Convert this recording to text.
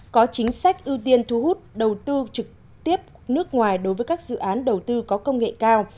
có chính sách ưu tiên thu hút đầu tư trực tiếp nước ngoài đối với các dự án đầu tư có công nghệ cao